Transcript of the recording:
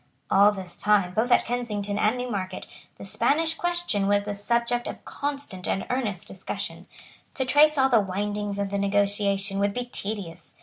All this time, both at Kensington and Newmarket, the Spanish question was the subject of constant and earnest discussion. To trace all the windings of the negotiation would be tedious.